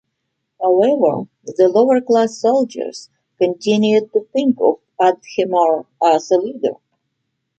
However, the lower-class soldiers continued to think of Adhemar as a leader.